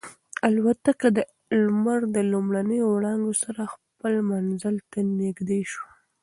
الوتکه د لمر د لومړنیو وړانګو سره خپل منزل ته نږدې شوه.